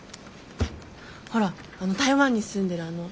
ほら台湾に住んでるあの。